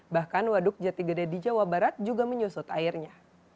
bahkan waduk jati gede di jawa barat juga menyusut airnya